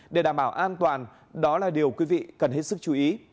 để đảm bảo an toàn đó là điều quý vị cần hết sức chú ý